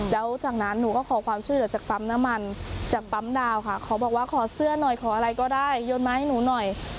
แล้วจากนั้นหนูก็ขอความช่วยเหลือจากปั๊มน้ำมันจากปั๊มดาวค่ะขอบอกว่าขอเสื้อหน่อยขออะไรก็ได้โยนมาให้หนูหน่อย